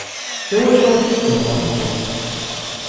Iwacu i t-id-tuɣem?